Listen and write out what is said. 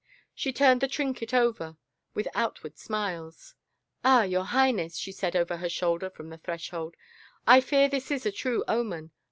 She turned the trinket over, with outward smiles. " Ah, your Highness," she said over her shoulder from the threshold, " I fear this is a true omen.